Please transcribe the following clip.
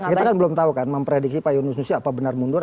kita kan belum tahu kan memprediksi pak yunus nusi apa benar mundur